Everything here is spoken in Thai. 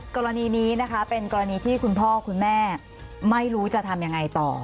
กรณีนี้นะคะเป็นกรณีที่คุณพ่อคุณแม่ไม่รู้จะทำยังไงต่อ